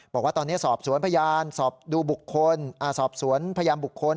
บอกว่าตอนนี้สอบสวนพยานสอบดูบุคคลสอบสวนพยานบุคคล